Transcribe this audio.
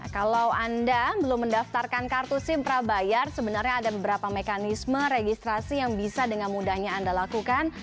kalau anda belum mendaftarkan kartu sim prabayar sebenarnya ada beberapa mekanisme registrasi yang bisa dengan mudahnya anda lakukan